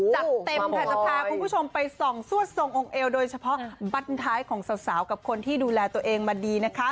จัดเต็มค่ะจะพาคุณผู้ชมไปส่องซวดทรงองค์เอวโดยเฉพาะบ้านท้ายของสาวกับคนที่ดูแลตัวเองมาดีนะคะ